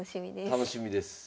楽しみです。